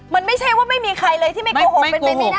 มันไม่ใช่ว่าไม่มีใครเลยที่ไม่โกหกเป็นไปไม่ได้